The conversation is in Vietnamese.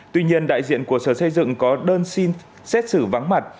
tuy nhiên đại diện của sở xây dựng có đơn xin xét xử vắng mặt